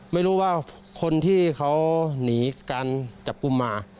ไม่รู้ว่าคนที่เขาหนีการจับกลุ่มมา